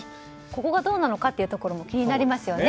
ここがどうなのかというのも気になりますよね。